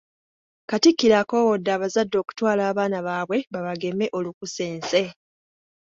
Katikkiro akoowodde abazadde okutwala abaana baabwe babageme olukusense.